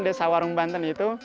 desa warung banten itu